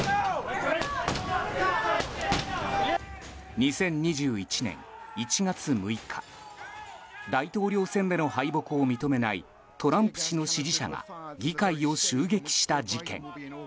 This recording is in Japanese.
２０２１年１月６日大統領選での敗北を認めないトランプ氏の支持者が議会を襲撃した事件。